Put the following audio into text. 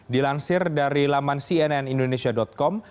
dilansir dari laman cnnindonesia com